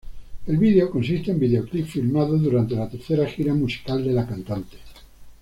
El vídeo consiste en videoclips filmados durante la tercera gira musical de la cantante.